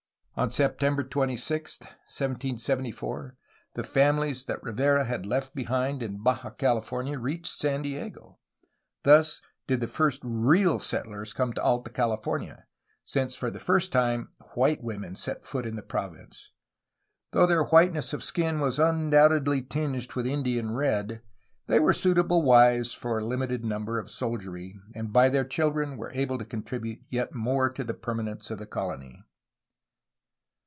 On September 26, 1774, the famiUes that Rivera had left be hind in Baja California reached San Diego. Thus did the first real settlers come to Alta California, since for the first time white women set foot in the province. Though their whiteness of skin was undoubtedly tinged with Indian red, they were suitable wives for a limited number of soldiery and by their children were able to contribute yet more to the permanence of the colony.